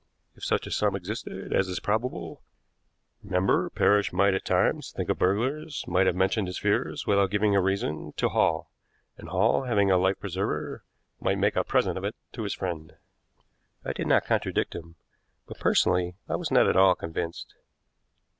If such a sum existed, as is probable, remember Parrish might at times think of burglars, might have mentioned his fears, without giving a reason, to Hall, and Hall, having a life preserver, might make a present of it to his friend." I did not contradict him, but, personally, I was not at all convinced.